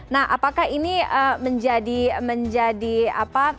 nah apakah ini menjadi apa